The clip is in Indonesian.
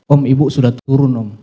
om ibu sudah turun om